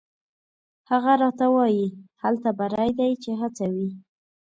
هغه راته وایي: «هلته بری دی چې هڅه وي».